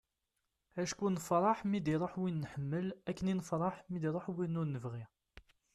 acku nfeṛṛeḥ mi d-iruḥ win nḥemmel akken i nfeṛṛeḥ mi iruḥ win ur nebɣi